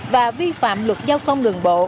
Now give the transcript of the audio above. và vi phạm luật giao thông đường bộ